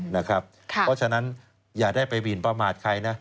เพราะฉะนั้นอย่าได้ไปหมินประมาทใครนะ